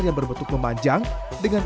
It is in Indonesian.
yang berbentuk memanjang dengan